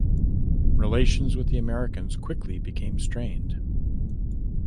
Relations with the Americans quickly became strained.